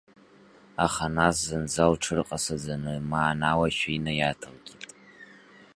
Аха нас зынӡа лҽырҟасаӡаны мааналашәа инаиаҭалкит…